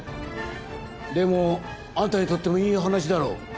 でもあんたにとってもいい話だろ。